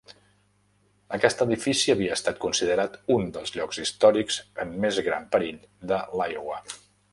Aquest edifici havia estat considerat un dels llocs històrics en més gran perill de l'Iowa.